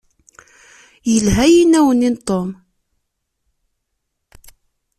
Yelha yinaw-nni n Tom.